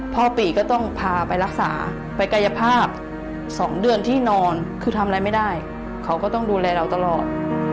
ปีก็ต้องพาไปรักษาไปกายภาพ๒เดือนที่นอนคือทำอะไรไม่ได้เขาก็ต้องดูแลเราตลอด